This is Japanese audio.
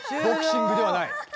ボクシングではない。